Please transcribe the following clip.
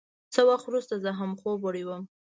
څه وخت وروسته زه هم خوب وړی وم.